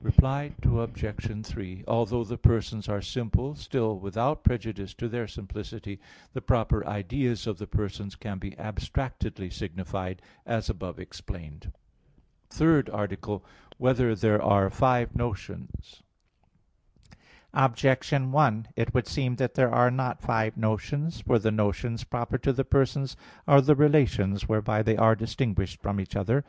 Reply Obj. 3: Although the persons are simple, still without prejudice to their simplicity, the proper ideas of the persons can be abstractedly signified, as above explained. _______________________ THIRD ARTICLE [I, Q. 32, Art. 3] Whether There Are Five Notions? Objection 1: It would seem that there are not five notions. For the notions proper to the persons are the relations whereby they are distinguished from each other.